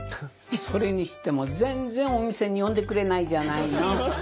それにしても全然お店に呼んでくれないじゃないの！